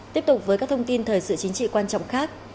tiếp tục với các thông tin thời sự chính trị quan trọng khác